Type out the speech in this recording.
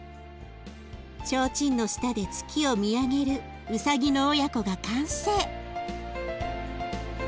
ちょうちんの下で月を見上げるうさぎの親子が完成。